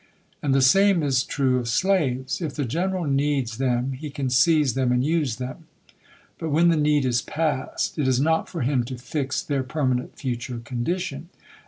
And the same is true of slaves. If the general needs them he can seize them and use them, but when the need is past, it is not for him to fix their permanent future condition.